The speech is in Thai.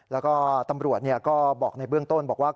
แล้วก็ตำรวจก็บอกในเบื้องต้นบอกว่า